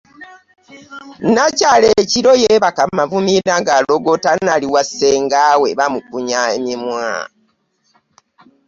Nakyala ekiro yeebaka mavumira ng'alogootana ali wa Ssengaawe bamukunya emimwa.